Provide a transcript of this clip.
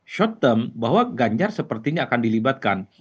short term bahwa ganjar sepertinya akan dilibatkan